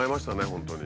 本当に。